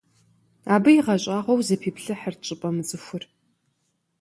Абы игъэщӀагъуэу зэпиплъыхьырт щӀыпӏэ мыцӀыхур.